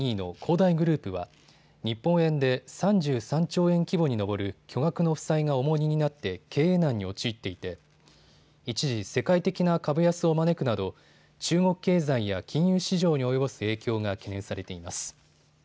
大グループは日本円で３３兆円規模に上る巨額の負債が重荷になって経営難に陥っていて一時、世界的な株安を招くなど中国経済や金融市場に及ぼす影響が懸念されています。